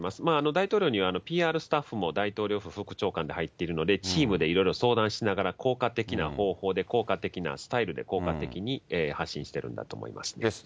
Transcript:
大統領にはＰＲスタッフも大統領府副長官で入っているので、チームでいろいろ相談しながら、効果的な方法で、効果的なスタイルで、効果的に発信しているんだと思います。